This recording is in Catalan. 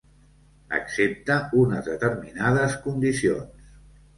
Accepta unes determinades condicions.